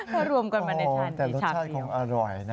ก็รวมกันมาในชาติเดียวชาติเดียวโอ้แต่รสชาติคงอร่อยนะ